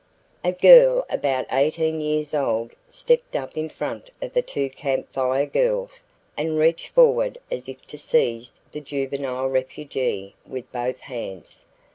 A girl about 18 years old stepped up in front of the two Camp Fire Girls and reached forward as if to seize the juvenile refugee with both hands.